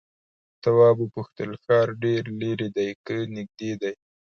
تواب وپوښتل ښار ډېر ليرې دی که نږدې دی؟